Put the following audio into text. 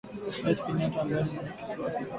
Rais Kenyatta ambaye ni Mwenyekiti wa Afrika Mashariki